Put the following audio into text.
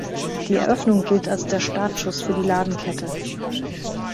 Die Eröffnung gilt als der Startschuss für die Ladenkette.